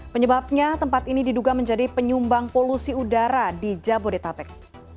penyebabnya tempat ini diduga menjadi penyumbang polusi udara di jabodetabek